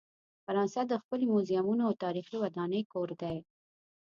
فرانسه د ښکلې میوزیمونو او تاریخي ودانۍ کور دی.